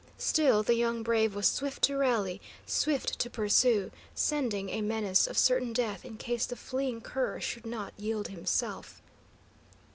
Still, the young brave was swift to rally, swift to pursue, sending a menace of certain death in case the fleeing cur should not yield himself.